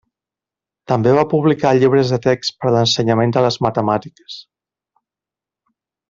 També va publicar llibres de text per l'ensenyament de les matemàtiques.